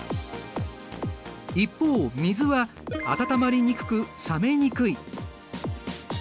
一方水は温まりにくく冷めにくい。